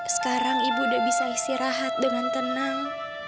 sekarang ibu udah bisa isi rahat dengan tenang